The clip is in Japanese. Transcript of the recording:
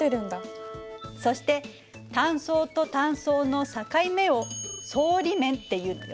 そして単層と単層の境目を層理面っていうのよ。